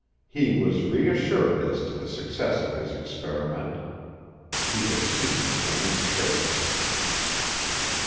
He was reassured as to the success of his experiment. He had seen Joan's face.